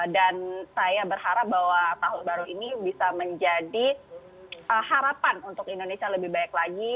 dan saya berharap bahwa tahun baru ini bisa menjadi harapan untuk indonesia lebih baik lagi